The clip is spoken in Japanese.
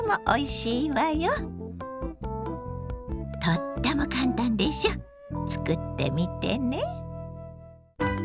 とっても簡単でしょ作ってみてね。